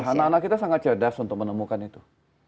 anak anak kita sangat cerdas untuk menemukan itu